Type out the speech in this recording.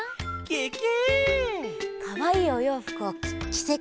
ケケ！